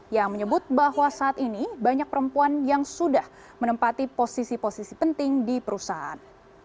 yang menyebut bahwa saat ini banyak perempuan yang sudah menempati posisi posisi penting di perusahaan